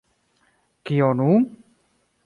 Kio nun?